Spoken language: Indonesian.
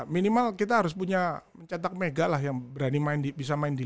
minimal kita harus punya mencetak mega lah yang berani bisa main di